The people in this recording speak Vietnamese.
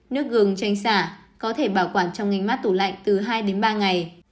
nước gừng chanh sả có thể bảo quản trong ngành mát tủ lạnh từ hai ba ngày